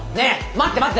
待って待って！